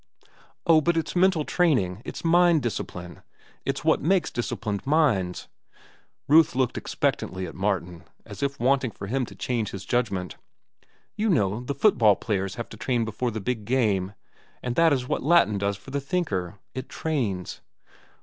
"Oh, but it's mental training. It's mind discipline. It's what makes disciplined minds." Ruth looked expectantly at Martin, as if waiting for him to change his judgment. "You know, the foot ball players have to train before the big game. And that is what Latin does for the thinker. It trains."